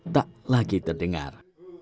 tak lagi terdengar